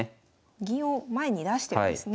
銀を前に出してるんですね。